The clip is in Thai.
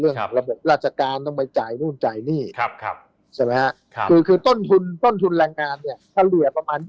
เรื่องระบบราชการต้องไปจ่ายนู่นจ่ายหนี้ใช่ไหมฮะคือต้นทุนแรงงานเนี่ยถ้าเหลือประมาณ๒๘๓๐